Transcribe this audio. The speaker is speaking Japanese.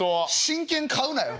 真剣買うなよ。